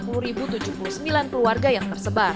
pemerintah daerah sebaiknya tidak berkutat pada dana bagi hasil saja